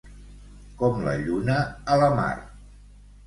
Com la lluna a la mar.